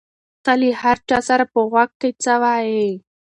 ته له هر چا سره په غوږ کې څه وایې؟